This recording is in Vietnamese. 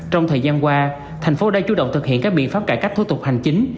trong thời gian qua thành phố đã chủ động thực hiện các biện pháp cải cách thủ tục hành chính